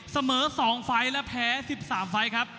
เสมอ๒ฟ้ายและแพ้๑๓ฟ้ายครับ